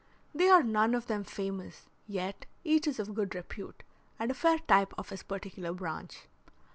They are none of them famous, yet each is of good repute, and a fair type of his particular branch.